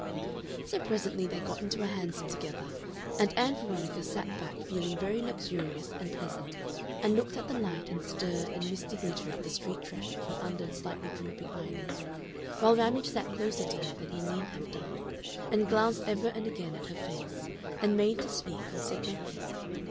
So presently they got into a hansom together, and Ann Veronica sat back feeling very luxurious and pleasant, and looked at the light and stir and misty glitter of the street traffic from under slightly drooping eyelids, while Ramage sat closer to her than he need have done, and glanced ever and again at her face, and made to speak and said nothing.